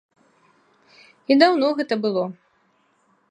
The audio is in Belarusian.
І даўно гэта было.